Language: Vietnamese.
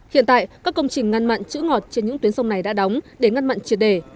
hiện tại các công trình ngăn mặn chữ ngọt trên những tuyến sông này đã đóng để ngăn mặn triệt đề